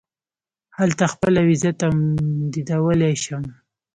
هلته خپله وېزه تمدیدولای شم.